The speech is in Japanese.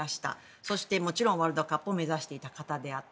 そしてワールドカップを目指していた方であって